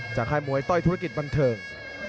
ค่ายมวยต้อยธุรกิจบันเทิง